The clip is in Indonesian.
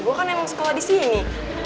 gue kan emang sekolah di sini